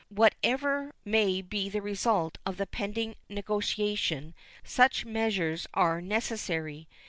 Whatever may be the result of the pending negotiation, such measures are necessary.